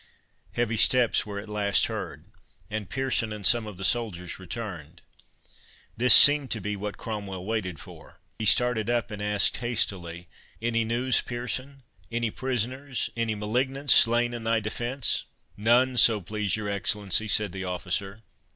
Heavy steps were at last heard, and Pearson and some of the soldiers returned. This seemed to be what Cromwell waited for. He started up, and asked hastily, "Any news, Pearson? any prisoners—any malignants slain in thy defence?" "None, so please your Excellency," said the officer.